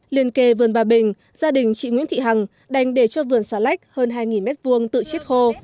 liên kề vườn bà bình gia đình chị nguyễn thị hằng đành để cho vườn xà lách hơn hai m hai tự chết khô